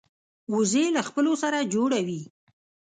وزې له خپلو سره جوړه وي